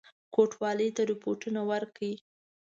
کوټوالی ته رپوټونه ورکړي.